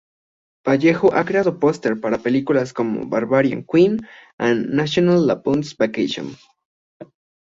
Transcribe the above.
Vallejo ha creado póster para películas, como "Barbarian Queen" and "National Lampoon's Vacation".